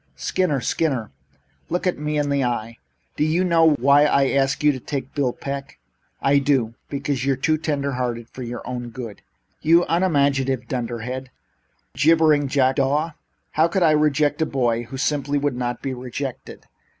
"Skinner! Skinner! Look me in the eye! Do you know why I asked you to take on Bill Peck?" "I do. Because you're too tender hearted for your own good." "You unimaginative dunderhead! You jibbering jackdaw! How could I reject a boy who simply would not be rejected?